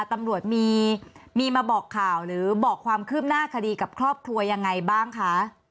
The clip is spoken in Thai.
ตำรวจมีมาบอกข่าวหรือบอกความคืบหน้าคดีกับครอบครัวยังไงบ้างคะ